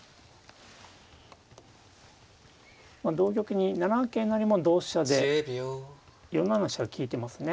同玉に７七桂成も同飛車で４七の飛車が利いてますね。